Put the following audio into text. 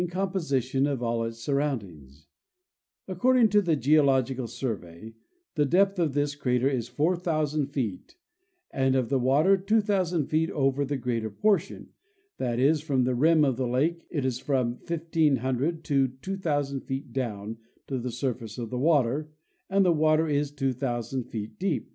position of all its surroundings. According to the Geological Survey the depth of this crater is 4,000 feet and of the water 2,000 feet over the greater portion—that is, from the rim of the lake it is from 1,500 to 2,000 feet down to the surface of the water, and the water is 2,000 feet deep.